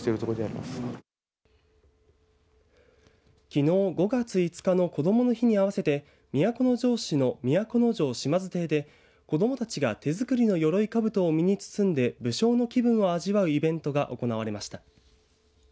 きのう５月５日のこどもの日に合わせて都城市の都城島津邸で子どもたちが手作りのよろいかぶとに身に包んで武将の気分を味わうイベントが行われました。